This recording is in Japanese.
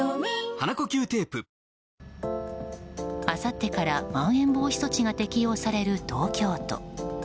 あさってからまん延防止措置が適用される東京都。